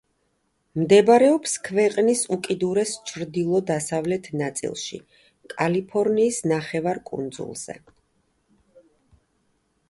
მდებარეობს ქვეყნის უკიდურეს ჩრდილო-დასავლეთ ნაწილში, კალიფორნიის ნახევარკუნძულზე.